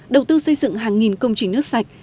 đầu tư xây dựng hàng nghìn công trình nước sạch